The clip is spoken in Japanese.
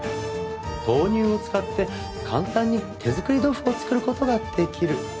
豆乳を使って簡単に手作り豆腐を作る事ができる。